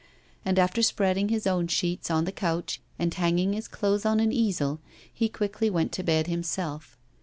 And after spreading his own sheets on the couch, and hanging his clothes on an easel, he quickly went to bed himself.